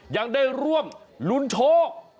ยังได้ร่วมลุ้นโชค